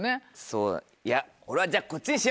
そうだいや俺はじゃあこっちにしよう。